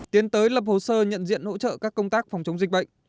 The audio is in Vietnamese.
tiến tới lập hồ sơ nhận diện hỗ trợ các công tác phòng chống dịch bệnh